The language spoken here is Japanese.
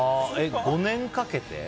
５年かけて？